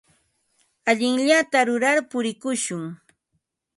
Allinllata rurar purikushun.